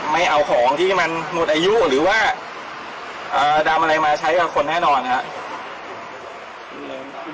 ไม่เอาของที่มันหมดอายุหรือว่าดำอะไรมาใช้กับคนแน่นอนนะครับ